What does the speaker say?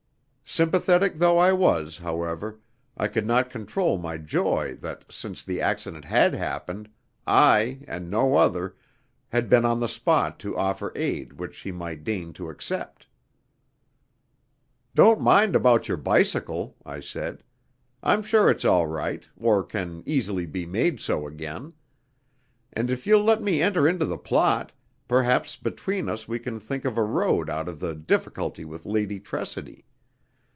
Sympathetic though I was, however, I could not control my joy that, since the accident had happened, I and no other had been on the spot to offer aid which she might deign to accept. "Don't mind about your bicycle," I said. "I'm sure it's all right, or can easily be made so again; and if you'll let me enter into the plot, perhaps between us we can think of a road out of the difficulty with Lady Tressidy.